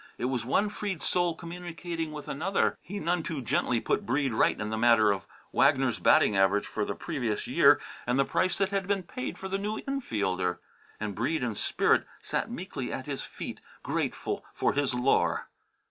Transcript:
It was one freed soul communicating with another. He none too gently put Breede right in the matter of Wagner's batting average for the previous year and the price that had been paid for the new infielder. And Breede in spirit sat meekly at his feet, grateful for his lore.